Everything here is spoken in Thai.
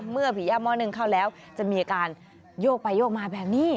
ผีย่าหม้อหนึ่งเข้าแล้วจะมีอาการโยกไปโยกมาแบบนี้